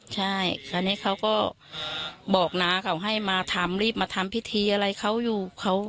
ใช่คราวนี้เขาก็บอกน้าเขาให้มาทำรีบมาทำพิธีอะไรเขาอยู่